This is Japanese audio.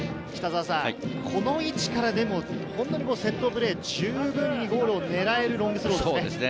この位置からでもセットプレー、十分にゴールを狙えるロングスロー。